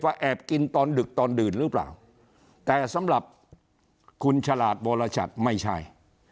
แอบกินตอนดึกตอนดื่นหรือเปล่าแต่สำหรับคุณฉลาดวรชัดไม่ใช่